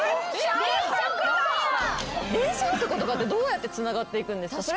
『電車男』とかってどうやってつながっていくんですか？